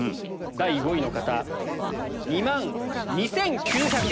第５位の方２万２９００円。